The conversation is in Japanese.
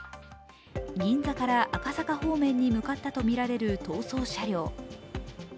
銀座から赤坂方面に向かったとみられる逃走車両。